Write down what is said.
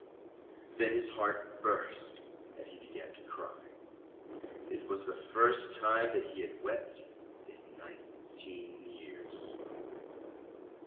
Then his heart burst, and he began to cry. It was the first time that he had wept in nineteen years.